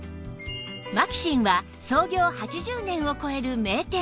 マキシンは創業８０年を超える名店